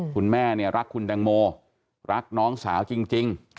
คุณแม่เนี่ยรักคุณแตงโมรักน้องสาวจริง